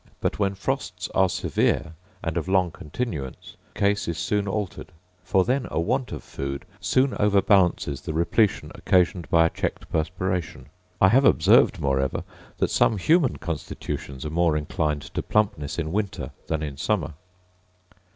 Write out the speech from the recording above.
But when frosts are severe, and of long continuance, the case is soon altered; for then a want of food soon overbalances the repletion occasioned by a checked perspiration. I have observed, moreover, that some human constitutions are more inclined to plumpness in winter than in summer.